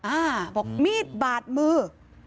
อ่าบอกมีดบาดมือ